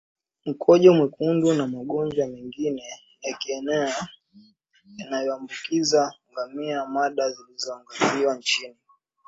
mkojo mwekundu na magonjwa mengine ya kieneo yanayoambukiza ngamia Mada zilizoangaziwa chini